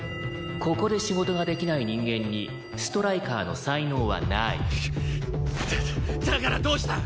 「ここで仕事ができない人間にストライカーの才能はない」だだからどうした！？